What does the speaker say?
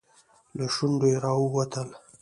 له شونډو يې راووتل.